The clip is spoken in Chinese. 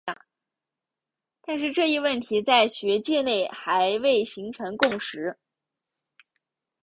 但是这一问题在学界内还未形成共识。